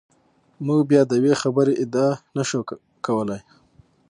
موږ بیا د یوې خبرې ادعا نشو کولای.